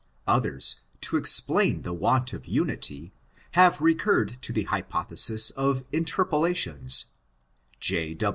Others, to explain the want of unity, have recurred to the hypothesis of interpolations: J.